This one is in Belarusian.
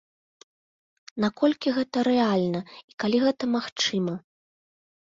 Наколькі гэта рэальна і калі гэта магчыма?